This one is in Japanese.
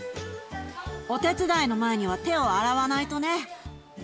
お手伝いの前には手を洗わないとね！